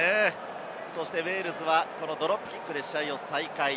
ウェールズはドロップキックで試合再開。